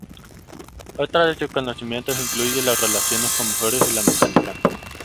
Otras de sus conocimientos incluyen las relaciones con mujeres y la mecánica.